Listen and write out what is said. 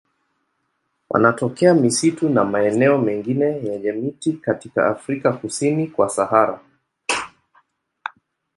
Wanatokea misitu na maeneo mengine yenye miti katika Afrika kusini kwa Sahara.